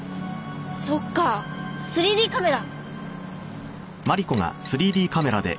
そっか３Ｄカメラ！